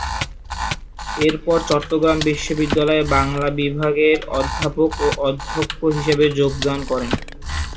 এরপর চট্টগ্রাম বিশ্ববিদ্যালয়ে বাংলা বিভাগের অধ্যাপক ও অধ্যক্ষ হিসেবে যোগদান করেন।